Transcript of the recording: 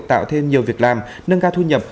tạo thêm nhiều việc làm nâng ca thu nhập